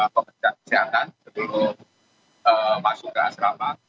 pemeriksaan kesehatan sebelum masuk ke asrama